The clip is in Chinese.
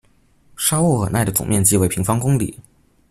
沙沃尔奈的总面积为平方公里。